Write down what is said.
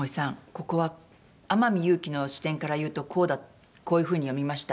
ここは天海祐希の視点から言うとこういうふうに読みました」。